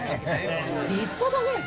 立派だねえ！